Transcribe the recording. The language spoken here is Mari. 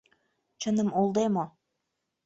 — Чыным улде мо?!.